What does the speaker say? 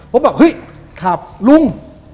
ผมก็แบบฮึยครับอุง